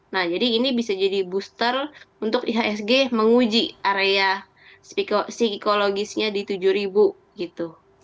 nah jadi ini bisa jadi booster untuk ihsg menguji area psikologisnya di tujuh ribu gitu